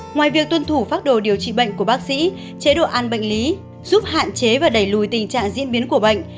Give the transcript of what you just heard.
ngoài việc tuân thủ phác đồ điều trị bệnh của bác sĩ chế độ ăn bệnh lý giúp hạn chế và đẩy lùi tình trạng diễn biến của bệnh